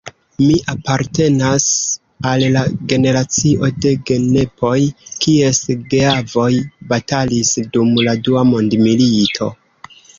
Mi apartenas al la generacio de genepoj, kies geavoj batalis dum la dua mondmilito.